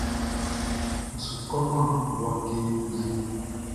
N su kɔman Bouaké wie.